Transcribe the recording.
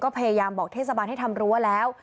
ก็พยายามบอกเทศบาลให้ทำรั้วแล้ว